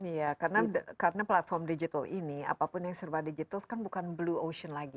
iya karena platform digital ini apapun yang serba digital kan bukan blue ocean lagi